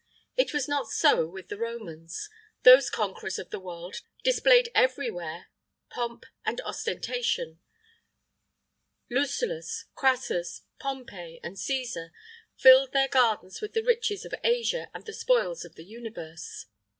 It was not so with the Romans. Those conquerors of the world displayed every where pomp and ostentation: Lucullus, Crassus, Pompey, and Cæsar, filled their gardens with the riches of Asia and the spoils of the universe.